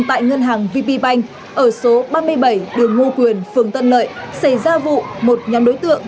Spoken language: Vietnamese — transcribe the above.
tại ngân hàng vp banh ở số ba mươi bảy điều ngu quyền phường tân lợi xây ra vụ một nhóm đối tượng